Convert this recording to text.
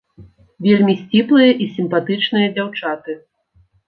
Вельмі сціплыя і сімпатычныя дзяўчаты.